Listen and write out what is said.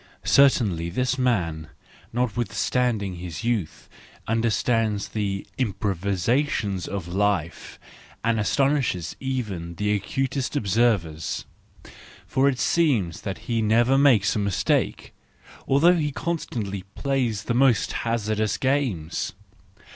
—Certainly this man, notwith¬ standing his youth, understands the improvisation of life , and astonishes even the acutest observers. For it seems that he never makes a mistake, although he constantly plays the most hazardous games.